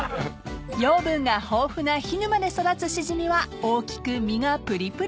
［養分が豊富な涸沼で育つシジミは大きく身がぷりぷり］